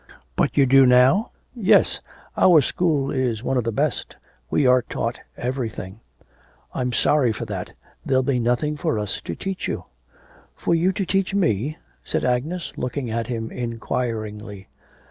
'But you do now?' 'Yes. Our school is one of the best; we are taught everything.' 'I'm sorry for that. There'll be nothing for us to teach you.' 'For you to teach me?' said Agnes, looking at him inquiringly.